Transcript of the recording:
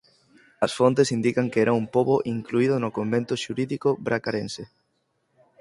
As fontes indican que era un pobo incluído no convento xurídico bracarense.